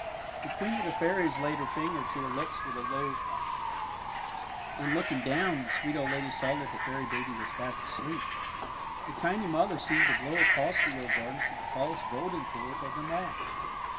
The Queen of the Fairies laid her finger to her lips with a low " Sh h," and, looking A TULIP STORY 37 down, the sweet old lady saw that the fairy baby was fast asleep. The tiny mother seemed to blow across the old garden to the tallest golden tulip of them all.